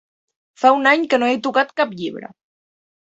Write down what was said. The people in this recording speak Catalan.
Fa un any que no he tocat cap llibre.